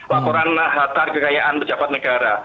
laporan hartar kekayaan pejabat negara